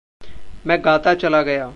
मैं गाता चला गया।